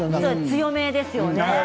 強めですかね。